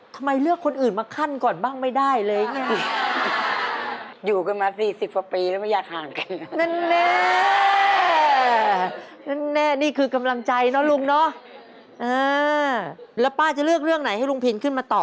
ทำไมเลือกคนอื่นมาขั้นก่อนบ้างไม่ได้เลยเนี่ย